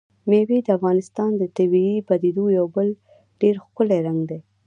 مېوې د افغانستان د طبیعي پدیدو یو بل ډېر ښکلی رنګ دی.